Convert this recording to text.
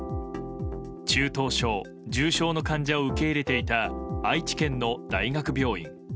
中等症・重症の患者を受け入れていた愛知県の大学病院。